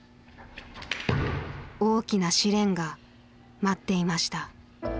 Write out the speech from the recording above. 大きな試練が待っていました。